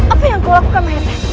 apa yang kau lakukan mereka